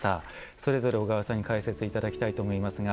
それぞれ小川さんに解説いただきたいと思いますが。